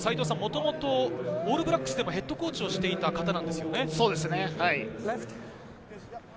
もともとオールブラックスでもヘッドコーチをしていた方なんですよね。